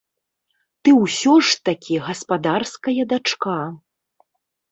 Ты ўсё ж такі гаспадарская дачка.